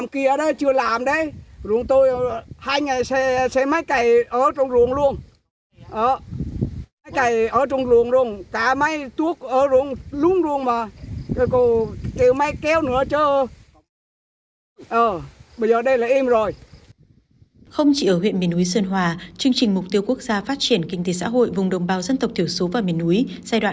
không chỉ ở huyện miền núi sơn hòa chương trình mục tiêu quốc gia phát triển kinh tế xã hội vùng đồng bào dân tộc thiểu số và miền núi